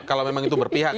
kalau memang itu berpihak ya